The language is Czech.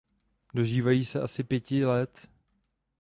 Dožívají se asi pěti let.